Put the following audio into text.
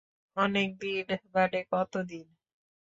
অনেক দিন মানে কত দিন?